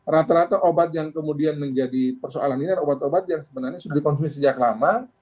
rata rata obat yang kemudian menjadi persoalan ini adalah obat obat yang sebenarnya sudah dikonsumsi sejak lama